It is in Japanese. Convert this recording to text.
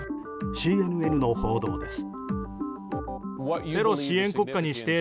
ＣＮＮの報道です。